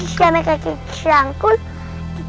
sama kakek canggul